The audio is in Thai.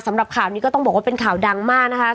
สำหรับข่าวนี้ก็ต้องบอกว่าเป็นข่าวดังมากนะคะ